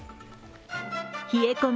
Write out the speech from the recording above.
冷え込む